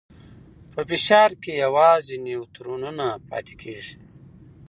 په فشار کې یوازې نیوترونونه پاتې کېږي.